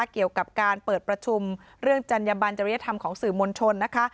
เกี่ยวกับการเปิดประชุมเรื่องจัญญบันจริยธรรมของสื่อมวลชนนะคะ